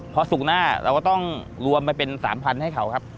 พอศุกร์หน้าเราก็ต้องรวมไปเป็น๓๐๐๐ให้เขาครับ